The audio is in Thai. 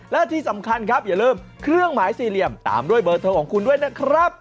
และที่สำคัญครับอย่าลืมเครื่องหมายสี่เหลี่ยมตามด้วยเบอร์โทรของคุณด้วยนะครับ